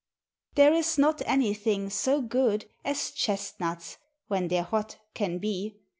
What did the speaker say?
There is not anything so good As Chestnuts (when they're hot) can be.